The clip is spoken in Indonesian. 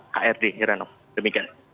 krd rano demikian